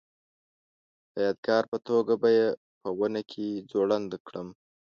د یادګار په توګه به یې په ونه کې ځوړنده کړم.